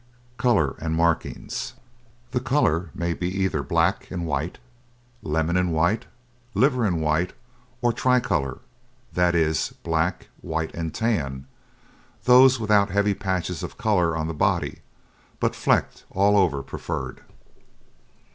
COLOUR AND MARKINGS The colour may be either black and white, lemon and white, liver and white, or tricolour that is, black, white, and tan; those without heavy patches of colour on the body, but flecked all over preferred.